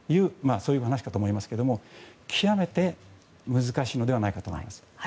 そういう話かと思いますけど極めて難しいのではないかと思います。